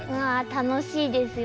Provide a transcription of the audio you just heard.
楽しいですよね。